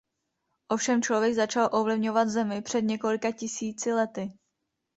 Ovšem člověk začal ovlivňovat Zemi před několika tisíci lety.